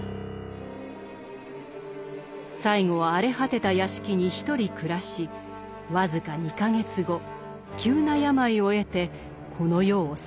最後は荒れ果てた屋敷に一人暮らし僅か２か月後急な病を得てこの世を去りました。